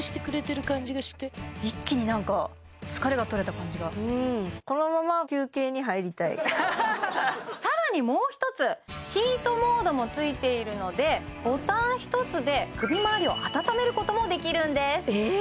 感じがしてアハハッさらにもうひとつヒートモードもついているのでボタン一つで首回りを温めることもできるんですえっ！